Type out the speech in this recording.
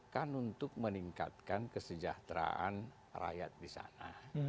kan untuk meningkatkan kesejahteraan rakyat di sana